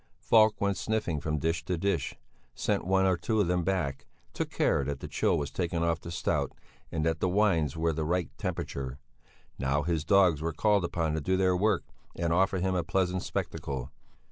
Falk went sniffing from dish to dish, sent one or two of them back, took care that the chill was taken off the stout, and that the wines were the right temperature. Now his dogs were called upon to do their work and offer him a pleasant spectacle.